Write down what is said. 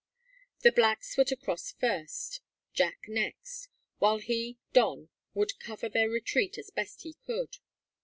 The blacks were to cross first, Jack next; while he, Don, would cover their retreat as best he could.